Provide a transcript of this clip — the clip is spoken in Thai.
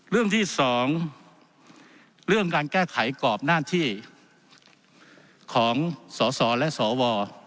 เรื่องที่๒เรื่องการแก้ไขกรอบหน้าที่ของสสและสว